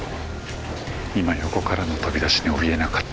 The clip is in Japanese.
今横からの飛び出しにおびえなかった。